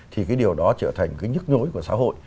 thì cái điều đó trở thành cái nhức nhối của xã hội